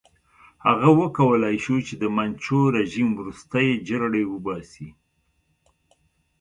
هغه وکولای شو چې د منچو رژیم ورستۍ جرړې وباسي.